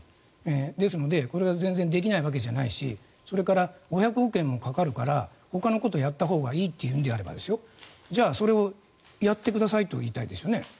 ですので、これは全然できないわけじゃないしそれから５００億円もかかるからほかのことをやったほうがいいと言うのであればじゃあ、それをやってくださいと言いたいですよね。